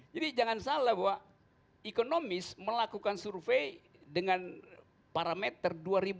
tapi jangan salah bahwa ekonomis melakukan survei dengan parameter dua ribu lima belas